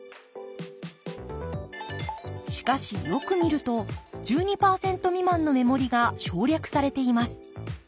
しかしよく見ると１２％未満の目盛りが省略されています。